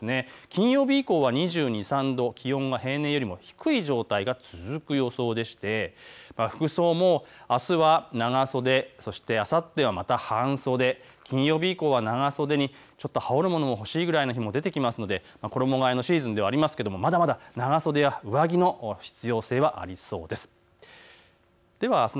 金曜日以降は２２、２３度、気温が平年よりも低い状態が続く予想で服装もあすは長袖、そしてあさってはまた半袖、金曜日以降はまた長袖にちょっと羽織るものが欲しいくらいの日も出てくるので衣がえのシーズンでもありますがまだまだ長袖や上着の必要性はありそうです。